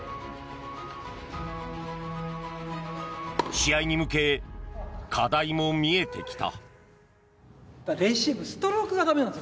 試合に向け課題も見えてきた。